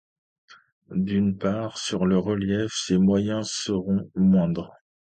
D'une part, sur le relief, ces moyennes seront moindres.